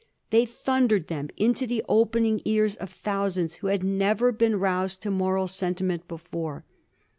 They thundered them into the opening ears of thousands who had never been roused to moral sentiment before.